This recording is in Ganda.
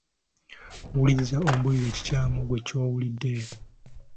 Wuliriza ombuulire ekikyamu ggwe ky'owulidde.